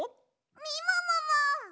みももも！